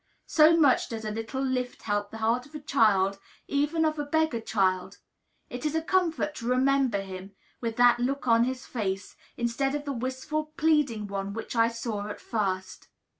So much does a little lift help the heart of a child, even of a beggar child. It is a comfort to remember him, with that look on his face, instead of the wistful, pleading one which I saw at first.